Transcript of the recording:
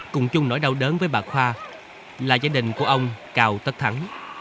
cùng chung nỗi đau đớn với bà khoa là gia đình của ông cao tất thắng